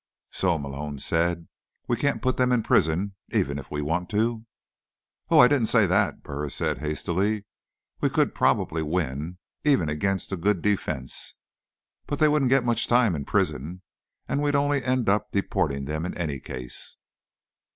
"So," Malone said, "we can't put them in prison, even if we want to." "Oh, I didn't say that," Burris said hastily. "We could probably win, even against a good defense. But they wouldn't get much time in prison, and we'd only end up deporting them in any case."